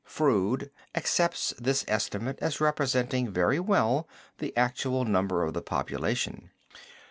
Froude, accepts this estimate as representing very well the actual number of the population.